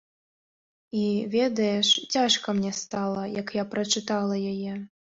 І, ведаеш, цяжка мне стала, як я прачытала яе.